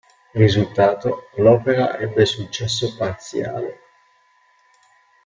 Risultato: l'opera ebbe successo parziale.